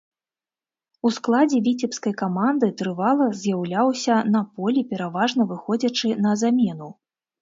У складзе віцебскай каманды трывала з'яўляўся на полі, пераважна выходзячы на замену.